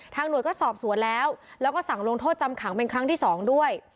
หน่วยก็สอบสวนแล้วแล้วก็สั่งลงโทษจำขังเป็นครั้งที่๒ด้วย